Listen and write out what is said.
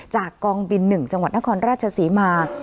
จากกองบิน๑จังหวัดนครราชศรีมา